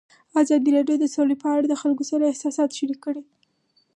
ازادي راډیو د سوله په اړه د خلکو احساسات شریک کړي.